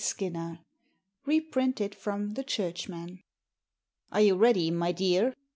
SKINNER Reprinted from "The Churchman." "Are you ready, my dear?"